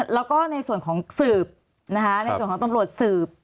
แล้วก็ในส่วนของสืบนะคะในส่วนของตำรวจสืบ